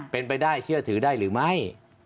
เป็นไปได้เชื่อถือได้หรือไม่